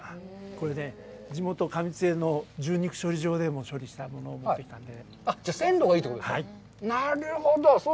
これね、地元・上津江の獣肉処理場で処理したものを持ってきたので。